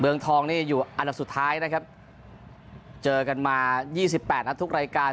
เมืองท้องนี่อยู่อันดับสุดท้ายนะครับเจอกันมา๒๘ครับทุกรายการ